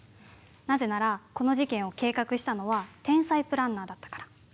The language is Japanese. なぜならこの事件を計画したのは天才プランナーだったから。